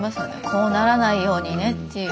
こうならないようにねっていう。